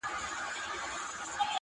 زه لار ورکی مسافر یمه روان یم -